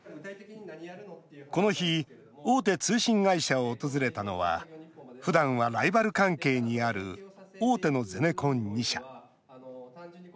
この日大手通信会社を訪れたのはふだんはライバル関係にある大手のゼネコン２社。